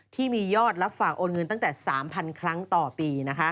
ที่มียอดรับฝากโอนเงินตั้งแต่๓๐๐๐ครั้งต่อปี